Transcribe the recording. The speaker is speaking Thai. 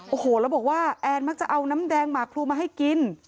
โอ้โหแล้วบอกว่าแอนมักจะเอาน้ำแดงหมากพลูมาให้กิน